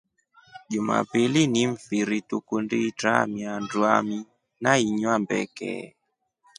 Jumapili ni mfiri tukundi itramia handu ami na inya mbeke.